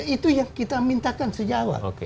itu yang kita mintakan sejauh